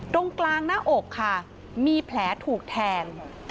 ตรงกลางหน้าอกค่ะมีแผลถูกแทง